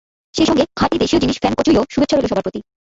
সেই সঙ্গে খাঁটি দেশীয় জিনিস ফেন কচুইয়ো শুভেচ্ছা রইল সবার প্রতি।